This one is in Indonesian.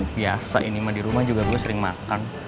biasa ini mah dirumah juga gue sering makan